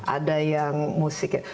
ada yang musik